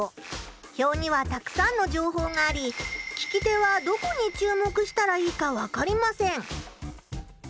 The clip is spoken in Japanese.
表にはたくさんのじょうほうがあり聞き手はどこに注目したらいいか分かりません。